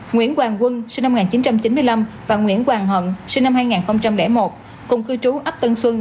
nguyễn hoàng quân sinh năm một nghìn chín trăm chín mươi năm và nguyễn hoàng hận sinh năm hai nghìn một cùng cư trú ấp tân xuân